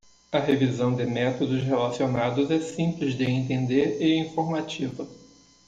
A revisão de métodos relacionados é simples de entender e informativa.